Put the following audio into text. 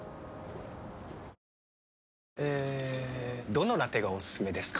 どのラテがおすすめですか？